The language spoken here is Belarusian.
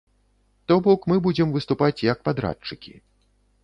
То бок мы будзем выступаць як падрадчыкі.